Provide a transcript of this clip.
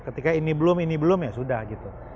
ketika ini belum ini belum ya sudah gitu